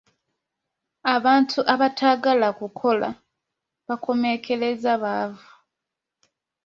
Abantu abataagala kukola bakomekkereza baavu.